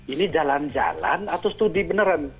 ini jalan jalan atau studi beneran